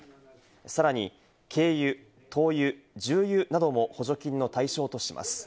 さらに、軽油、灯油、重油なども補助金の対象とします。